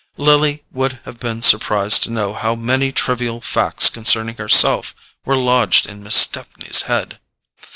Lily would have been surprised to know how many trivial facts concerning herself were lodged in Miss Stepney's head.